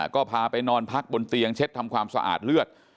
ก็พาไปนอนพักบนเตียงเช็ดทำความสะอาดเลือด